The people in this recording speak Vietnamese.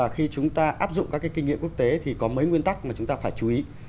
khi chúng ta áp dụng các kinh nghiệm quốc tế thì có mấy nguyên tắc mà chúng ta phải chú ý